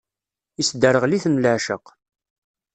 Isderɣel-iten leɛceq.